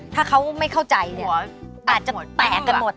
ถ้าเขาไม่เข้าใจเนี่ยอาจจะแตกกันหมด